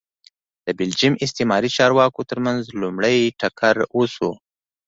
د بلجیم استعماري چارواکو ترمنځ لومړی ټکر وشو